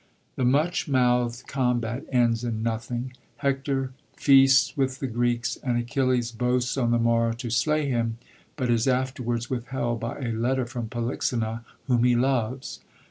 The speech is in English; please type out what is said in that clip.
The niuch mouthd combat cuds in nothing; Hector feasts with the Greeks, and Achilles boasts on the morrow to slay him, but is afterwards withheld by a letter from Polyxena, whom he loves.